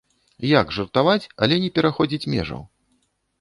Як жартаваць, але не пераходзіць межаў?